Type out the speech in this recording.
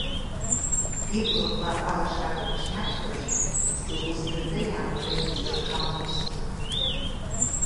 Иблақәа алашара рыцәмаҷхазшәа, иҟәызгаӡа иаанхеит еихамҟәысӡо.